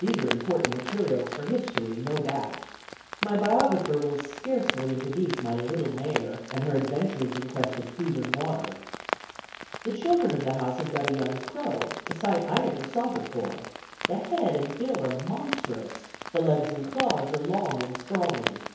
These are important materials for history, no doubt. My biographer will scarcely introduce my little mare and her adventures in quest of food and water. The children of the house have got a young crow, a sight I never saw before; the head and bill are monstrous; the legs and claws are long and sprawling.